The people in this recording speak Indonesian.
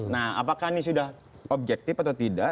nah apakah ini sudah objektif atau tidak